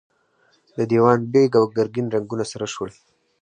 د دېوان بېګ او ګرګين رنګونه سره شول.